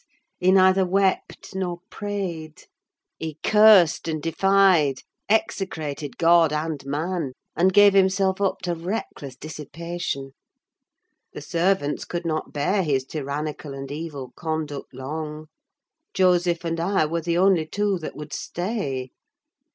He neither wept nor prayed; he cursed and defied: execrated God and man, and gave himself up to reckless dissipation. The servants could not bear his tyrannical and evil conduct long: Joseph and I were the only two that would stay.